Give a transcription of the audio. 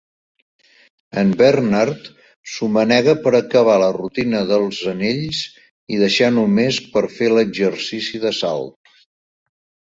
En Bernard s'ho manega per acabar la rutina dels anells i deixar només per fer l'exercici de salt.